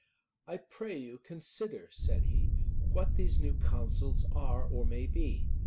"I pray you, consider," said he, "what these new counsels are, or may be.